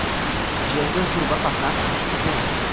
Žije zde zhruba patnáct tisíc obyvatel.